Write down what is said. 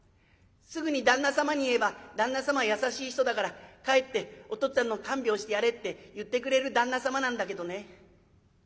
すぐに旦那様に言えば旦那様は優しい人だから帰ってお父っつぁんの看病してやれって言ってくれる旦那様なんだけどね